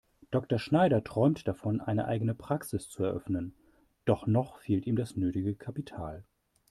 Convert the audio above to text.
Dr. Schneider träumt davon, eine eigene Praxis zu eröffnen, doch noch fehlt ihm das nötige Kapital.